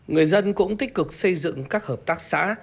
người dân cũng tích cực xây dựng các hợp tác xã